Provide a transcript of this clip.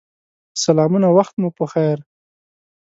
سلامونه وخت مو پخیر